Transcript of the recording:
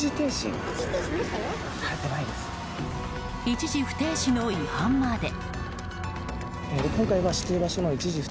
一時不停止の違反まで。